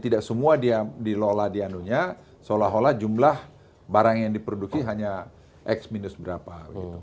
di lola diandunya seolah olah jumlah barang yang diproduksi hanya x minus berapa